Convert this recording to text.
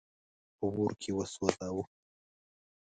په اور کي وسوځاوه.